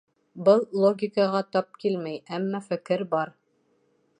Был логикаға тап килмәй, әммә фекер бар.